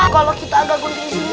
kalau kita gagal guntingin